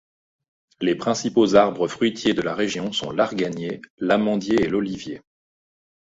Les principaux arbres fruitiers de la région sont l'arganier, l'amandier et l'olivier.